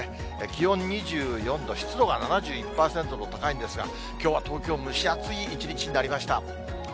気温２４度、湿度が７１％と高いんですが、きょうは東京、蒸し暑い一日になりました。